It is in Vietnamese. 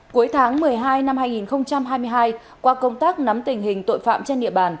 cuối tháng một mươi hai năm hai nghìn hai mươi hai qua công tác nắm tình hình tội phạm trên địa bàn